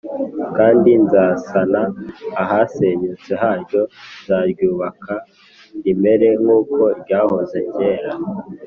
kandi nzasana ahasenyutse haryo, nzaryubaka rimere nk’uko ryahoze kera